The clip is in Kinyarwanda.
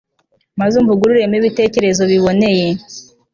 maze umvugururemo ibitekerezo biboneye